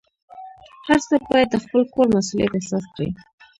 هر څوک باید د خپل کور مسؤلیت احساس کړي.